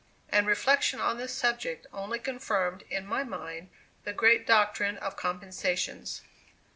And reflection on this subject only confirmed in my mind the great doctrine of compensations.